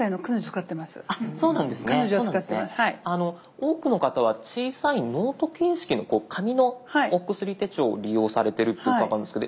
多くの方は小さいノート形式のこう紙のお薬手帳を利用されてるって伺うんですけど